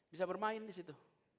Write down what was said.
bisa bermain disitu